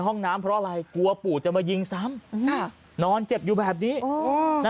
ห้องน้ำเพราะอะไรกลัวปู่จะมายิงซ้ำนอนเจ็บอยู่แบบนี้